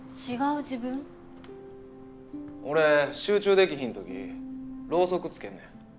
俺集中できへん時ロウソクつけんねん。